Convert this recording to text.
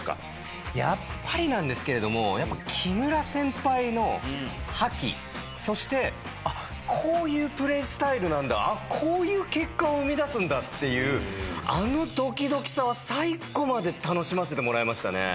やっぱりなんですけれども木村先輩の覇気そしてこういうプレースタイルなんだこういう結果を生み出すんだっていうあのドキドキさは最後まで楽しませてもらいましたね。